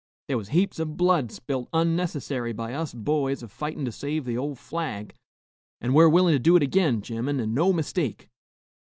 There was heaps o' blood spilt unnecessary by us boys, a fightin' to save the ol' flag, an' we 're willin' to do it agin, gemmen, an' no mistake!"